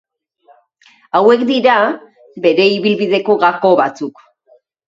Hauek dira bere ibilbideko gako batzuk.